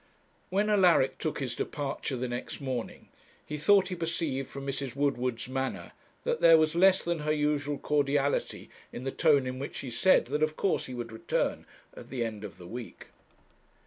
When Alaric took his departure the next morning, he thought he perceived, from Mrs. Woodward's manner, that there was less than her usual cordiality in the tone in which she said that of course he would return at the end of the week.